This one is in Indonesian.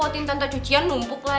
tuh nggak usah dibikinin minum tante